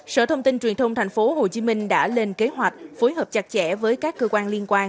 sở thông tin truyền thông tp hcm đã lên kế hoạch phối hợp chặt chẽ với các cơ quan liên quan